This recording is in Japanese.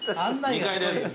２階です。